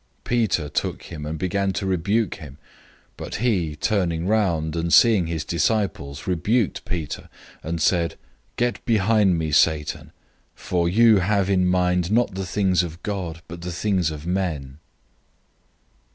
Peter took him, and began to rebuke him. 008:033 But he, turning around, and seeing his disciples, rebuked Peter, and said, "Get behind me, Satan! For you have in mind not the things of God, but the things of men."